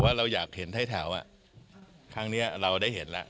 เราอยากเห็นไทยแถวครั้งนี้เราได้เห็นแล้ว